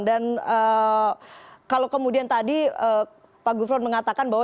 dan kalau kemudian tadi pak gufron mengatakan bahwa